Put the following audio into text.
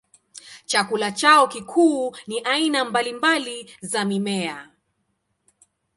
Chakula chao kikuu ni aina mbalimbali za mimea.